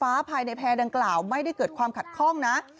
ว่าระบบไฟฟ้าภายในแพร่ดังกล่าวไม่ได้เกิดความขัดข้องนะ